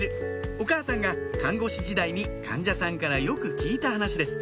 お母さんが看護師時代に患者さんからよく聞いた話です